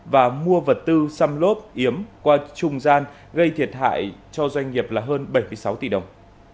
và mua vật tư xăm lốp yếm qua trung gian gây thiệt hại cho doanh nghiệp là hơn bảy mươi sáu tỷ đồng